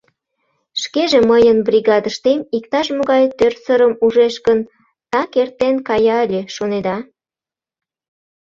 Шкеже мыйын бригадыштем иктаж-могай тӧрсырым ужеш гын, так эртен кая ыле, шонеда?